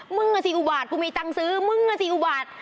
มึงกะสิอุบาทกูมีตังซื้อมึงกะสิอุบาท